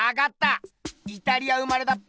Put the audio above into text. イタリア生まれだっぺよ。